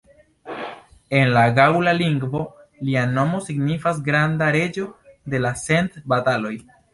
En la gaŭla lingvo lia nomo signifas "granda reĝo de la cent bataloj".